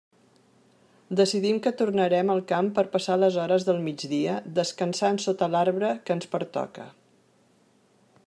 Decidim que tornarem al camp per passar les hores del migdia descansant sota l'arbre que ens pertoca.